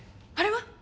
あれは？